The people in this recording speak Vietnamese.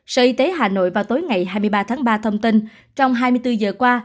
sở y tế hà nội vào tối ngày hai mươi ba tháng ba thông tin trong hai mươi bốn giờ qua